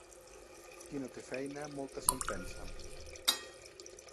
Qui no té feina, moltes se'n pensa.